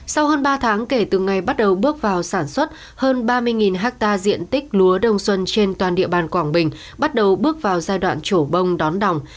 sau hơn ba tháng kể từ ngày bắt đầu bước vào sản xuất hơn ba mươi hectare diện tích lúa đông xuân trên toàn địa bàn quảng bình bắt đầu bước vào giai đoạn trổ bông đón đồng